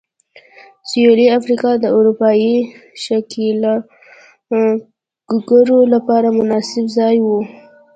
سوېلي افریقا د اروپايي ښکېلاکګرو لپاره مناسب ځای و.